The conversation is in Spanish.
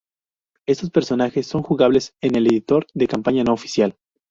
Estos personajes son jugables en el editor de campaña no oficial...